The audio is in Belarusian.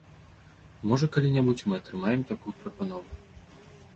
Можа, калі-небудзь мы атрымаем такую прапанову.